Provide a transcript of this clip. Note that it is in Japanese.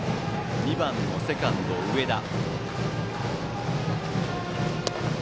２番のセカンド上田。